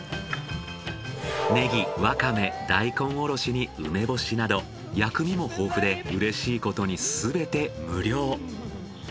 ネギワカメ大根おろしに梅干しなど薬味も豊富でうれしいことにすべて無料。